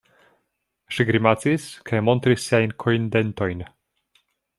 Ŝi grimacis kaj montris siajn kojndentojn.